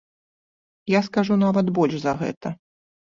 Я скажу нават больш за гэта.